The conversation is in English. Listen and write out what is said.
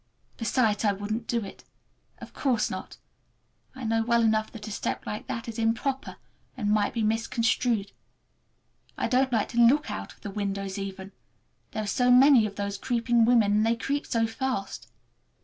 Besides I wouldn't do it. Of course not. I know well enough that a step like that is improper and might be misconstrued. I don't like to look out of the windows even—there are so many of those creeping women, and they creep so fast.